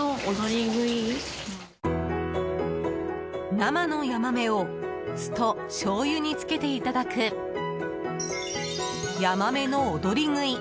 生のヤマメを酢としょうゆにつけていただくヤマメの踊り喰い。